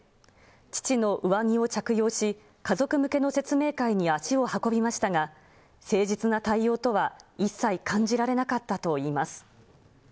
父の上着を着用し、家族向けの説明会に足を運びましたが、誠実な対応とは一切感じられなかったといいます。